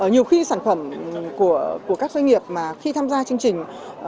nhiều khi sản phẩm của các doanh nghiệp mà khi tham gia chương trình